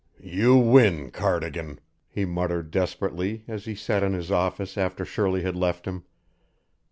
"You win, Cardigan," he muttered desperately as he sat in his office after Shirley had left him.